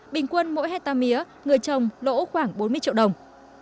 bình quân mỗi hectare mía người trồng lỗ khoảng bốn mươi triệu đồng